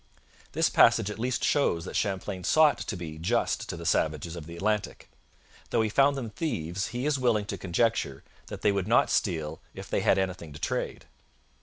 This passage at least shows that Champlain sought to be just to the savages of the Atlantic. Though he found them thieves, he is willing to conjecture that they would not steal if they had anything to trade.